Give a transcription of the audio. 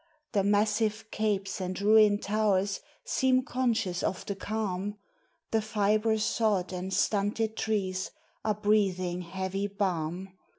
The massive capes and ruined towers seem conscious of the calm; The fibrous sod and stunted trees are breathing heavy balm.